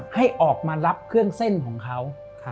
ให้ออกมารับเครื่องเส้นของเขา